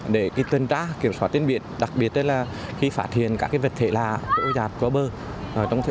để tân trá kiểm soát tiên biển đặc biệt là khi phát hiện các vật thể lạ gỗ giạt gó bơ